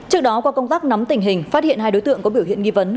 trước đó qua công tác nắm tình hình phát hiện hai đối tượng có biểu hiện nghi vấn